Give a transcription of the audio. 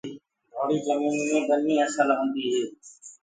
ڍوݪي جميني مي ٻني اسل هوندي هي۔